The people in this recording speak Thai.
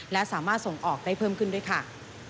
และสามารถส่งออกได้เพิ่มขึ้นด้วยค่ะ